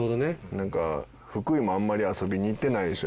なんか福井もあんまり遊びに行ってないでしょ？